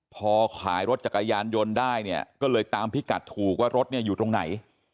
พอขายรถจักรยานยนต์ได้เนี่ยก็เลยตามพิกัดถูกว่ารถเนี่ยอยู่ตรงไหน